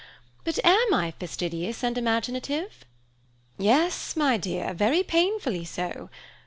But am I fastidious and imaginative?" "Yes, my dear, very painfully so.